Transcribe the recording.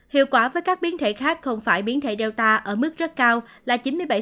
hiệu quả với các biến thể khác không phải biến thể data ở mức rất cao là chín mươi bảy